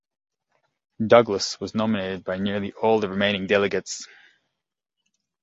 Douglas was nominated by nearly all the remaining delegates.